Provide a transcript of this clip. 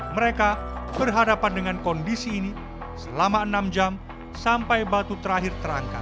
mereka berhadapan dengan kondisi ini selama enam jam sampai batu terakhir terangkat